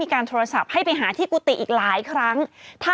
เมื่อ